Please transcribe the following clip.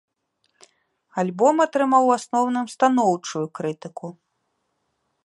Альбом атрымаў у асноўным станоўчую крытыку.